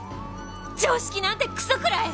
常識なんてクソ食らえ！